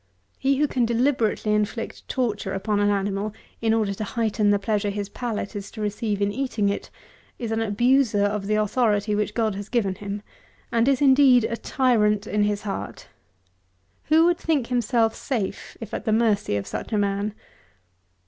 He who can deliberately inflict torture upon an animal, in order to heighten the pleasure his palate is to receive in eating it, is an abuser of the authority which God has given him, and is, indeed, a tyrant in his heart. Who would think himself safe, if at the mercy of such a man?